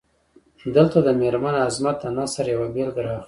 دلته د میرمن عظمت د نثر یوه بیلګه را اخلو.